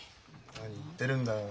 何言ってるんだよ。